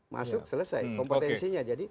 masuk selesai kompetensinya